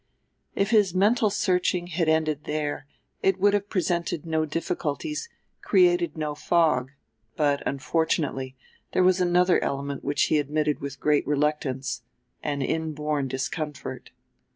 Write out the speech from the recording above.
If his mental searching had ended there it would have presented no difficulties, created no fog; but, unfortunately, there was another element which he admitted with great reluctance, an inborn discomfort.